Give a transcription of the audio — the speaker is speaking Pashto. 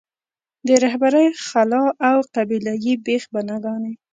د رهبرۍ خلا او قبیله یي بېخ بناګانې.